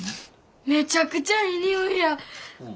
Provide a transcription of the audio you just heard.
めちゃくちゃええ匂いやん。